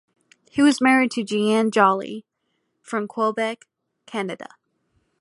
He was married to Jeanne Joly, from Quebec, Canada.